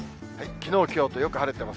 きのう、きょうとよく晴れてます。